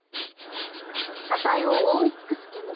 車体を覆い尽くす煙。